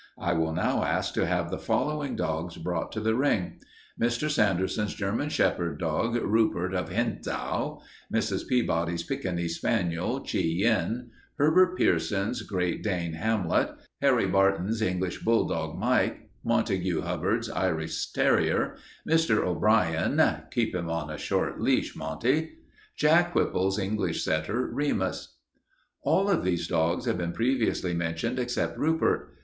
I will now ask to have the following dogs brought to the ring: Mr. Sanderson's German shepherd dog, Rupert of Hentzau; Mrs. Peabody's Pekingese spaniel, Chi Yen; Herbert Pierson's Great Dane, Hamlet; Harry Barton's English bulldog, Mike; Montague Hubbard's Irish terrier, Mr. O'Brien (keep him on a short leash, Monty); Jack Whipple's English setter, Remus." All of these dogs have been previously mentioned except Rupert.